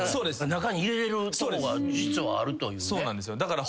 中に入れれるとこが実はあるというね。